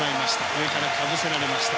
上からかぶせられました。